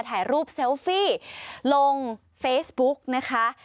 ถ่ายรูปเซลฟี่ลงเฟซบุ๊กนะคะ